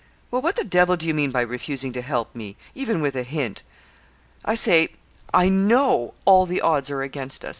'Well, what the devil do you mean by refusing to help me, even with a hint? I say I know all the odds are against us.